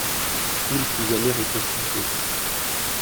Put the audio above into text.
Il fut jamais reconstitué.